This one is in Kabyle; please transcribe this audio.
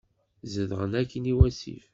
Zedɣen akkin i wasif.